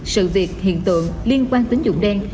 sự việc hiện tượng liên quan tín dụng đen